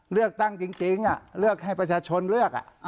เลือกตั้งจริงเลือกให้ประชาชนเลือก